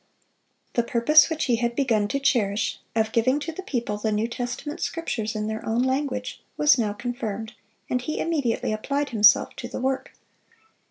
(364) The purpose which he had begun to cherish, of giving to the people the New Testament Scriptures in their own language, was now confirmed, and he immediately applied himself to the work.